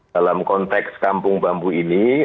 dalam konteks kampung bambu ini